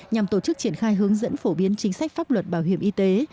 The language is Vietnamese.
nhằm tổ chức triển khai hướng dẫn phổ biến chính sách pháp luật bảo hiểm y tế